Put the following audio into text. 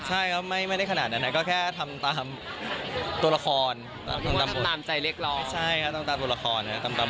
ใช่ครับไม่ได้ขนาดนั้นนะก็แค่ทำตามตัวละคร